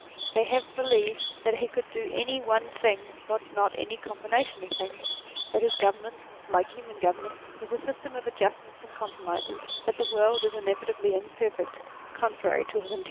They have believed that he could do any one thing, but not any combination of things : that his government, like human government, was a system of adjustments and compromises ; that the world is inevitably imperfect, contrary to his intention.